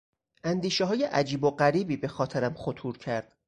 اندیشههای عجیب و غریبی به خاطرم خطور کرد.